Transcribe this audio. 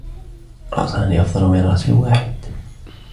رأسان أفضل من رأس واحد.